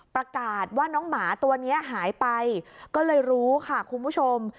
ประกาศว่าน้องหมาตัวนี้หายไปก็เลยรู้ค่ะคุณผู้ชม